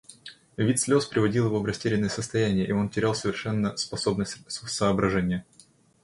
Вид слез приводил его в растерянное состояние, и он терял совершенно способность соображения.